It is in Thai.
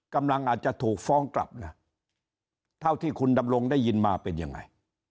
อาจจะถูกฟ้องกลับนะเท่าที่คุณดำรงได้ยินมาเป็นยังไง